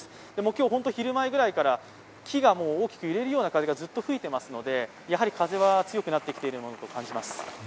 今日、昼前ぐらいから木が大きく揺れるような風がずっと吹いているので風は強くなってきているものと感じます。